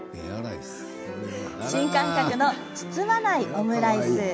新感覚の包まないオムライス。